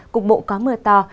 cục bộ có mưa to